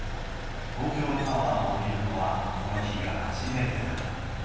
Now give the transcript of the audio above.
東京タワーを見るのはこの日が初めてだ。